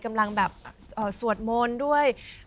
กำลังแบบสวดมนต์ด้วย